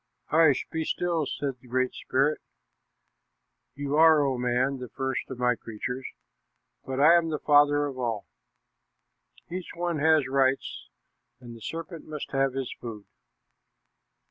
"Hush, be still," said the Great Spirit. "You are, O man, the first of my creatures, but I am the father of all. Each one has his rights, and the serpent must have his food.